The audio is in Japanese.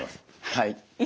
はい。